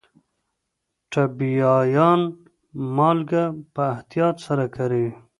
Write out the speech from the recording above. ټبیايان مالګه په احتیاط سره کاروي.